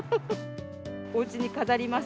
おうちに飾ります。